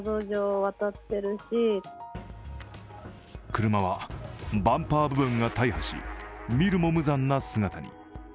車はバンパー部分が大破し、見るも無残な姿に。